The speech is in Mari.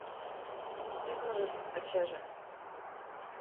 — Ситмыжыс, ачаже.